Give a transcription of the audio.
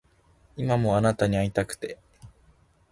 今もあなたに逢いたくて